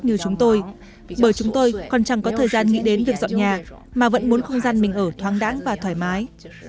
như chúng tôi bởi chúng tôi còn chẳng có thời gian nghĩ đến việc dọn nhà mà vẫn muốn không gian mình ở thoáng đáng và thoải mái